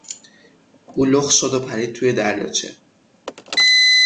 او لخت شد و پرید توی دریاچه.